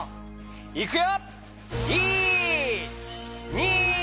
いくよ！